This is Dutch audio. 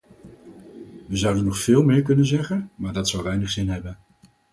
We zouden nog veel meer kunnen zeggen, maar dat zou weinig zin hebben.